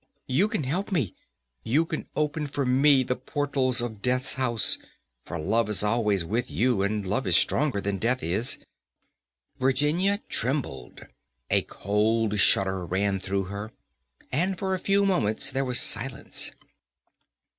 You can help me. You can open for me the portals of death's house, for love is always with you, and love is stronger than death is." Virginia trembled, a cold shudder ran through her, and for a few moments there was silence.